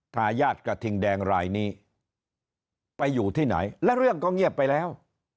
ทายาทกระทิงแดงรายนี้ไปอยู่ที่ไหนและเรื่องก็เงียบไปแล้ว